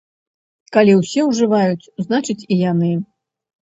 Калі усе ўжываюць, значыць і яны.